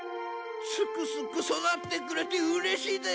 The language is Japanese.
すくすく育ってくれてうれしいぜ！